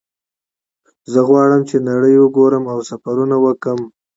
زه غواړم چې نړۍ وګورم او سفرونه وکړم